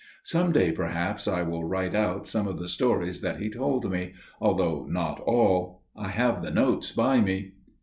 Some day perhaps I will write out some of the stories that he told me, although not all. I have the notes by me.